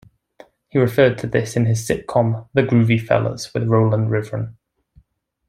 He referred to this in his sitcom "The Groovy Fellers" with Rowland Rivron.